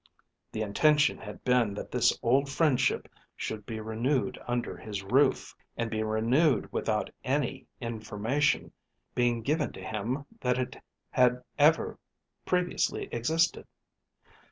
The intention had been that this old friendship should be renewed under his roof, and be renewed without any information being given to him that it had ever previously existed.